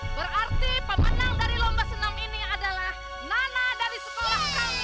berarti pemenang dari lomba senam ini adalah nana dari sekolah kami